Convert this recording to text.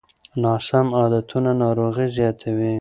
ناسم عادتونه ناروغۍ زیاتوي.